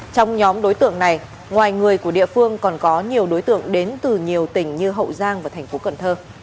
trong nhóm đối tượng này ngoài người của địa phương còn có nhiều đối tượng đến từ nhiều tỉnh như hậu giang và tp cn